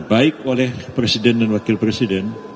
baik oleh presiden dan wakil presiden